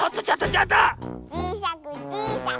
ちいさくちいさく。